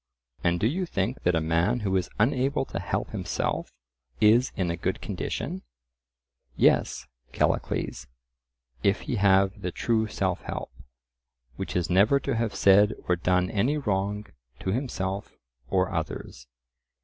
"And do you think that a man who is unable to help himself is in a good condition?" Yes, Callicles, if he have the true self help, which is never to have said or done any wrong to himself or others.